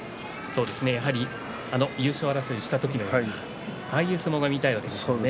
優勝争いをした時のようなああいう相撲が見たいわけですね。